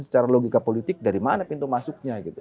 secara logika politik dari mana pintu masuknya gitu